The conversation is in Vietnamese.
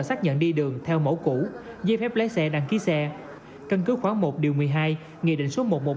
xác nhận đi đường theo mẫu cũ dây phép lấy xe đăng ký xe cân cứ khoảng một một mươi hai nghị định số một trăm một mươi bảy